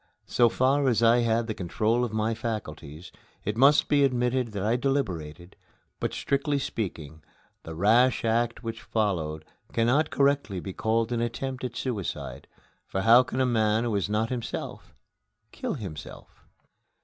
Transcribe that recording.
So far as I had the control of my faculties, it must be admitted that I deliberated; but, strictly speaking, the rash act which followed cannot correctly be called an attempt at suicide for how can a man who is not himself kill himself?